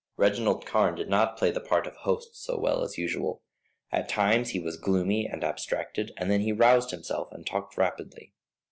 Reginald Carne did not play the part of host so well as usual. At times he was gloomy and abstracted, and then he roused himself and talked rapidly.